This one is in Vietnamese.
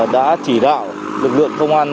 đã chỉ đạo lực lượng công an